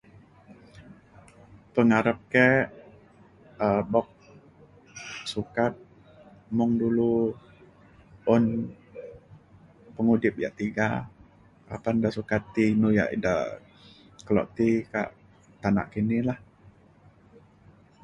pengarap ke um buk sukat mung dulu un pengudip yak tiga apan le sukat ti inu yak eda kelo ti kak tanak kini lah.